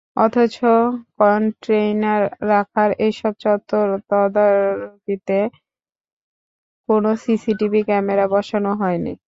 অথচ কনটেইনার রাখার এসব চত্বর তদারকিতে কোনো সিসিটিভি ক্যামেরা বসানো হয়নি।